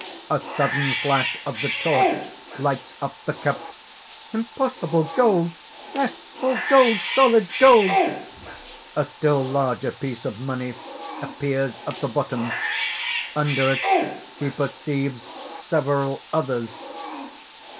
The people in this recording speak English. (A sudden flash of the torch lights up the cup.) "Impossible! gold? Yes, all gold, solid gold!" (_A still larger piece of money appears at the bottom. Under it he perceives several others.